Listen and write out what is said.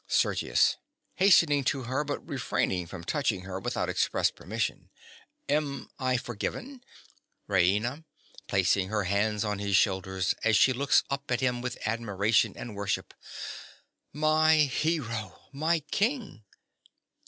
_) SERGIUS. (hastening to her, but refraining from touching her without express permission). Am I forgiven? RAINA. (placing her hands on his shoulder as she looks up at him with admiration and worship). My hero! My king.